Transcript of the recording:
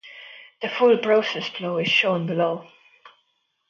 The full process flow is shown below.